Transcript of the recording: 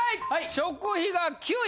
食費が９位。